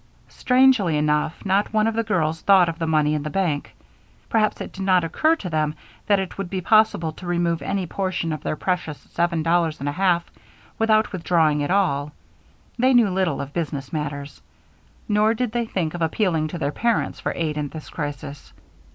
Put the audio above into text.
Strangely enough, not one of the girls thought of the money in the bank. Perhaps it did not occur to them that it would be possible to remove any portion of their precious seven dollars and a half without withdrawing it all; they knew little of business matters. Nor did they think of appealing to their parents for aid at this crisis.